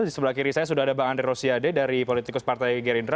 di sebelah kiri saya sudah ada bang andre rosiade dari politikus partai gerindra